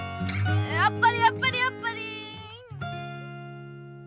やっぱりやっぱりやっぱり。